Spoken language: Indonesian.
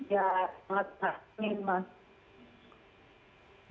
ya sangat terima kasih mas